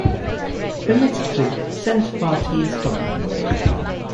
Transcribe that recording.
Politically, Centre Party is dominant.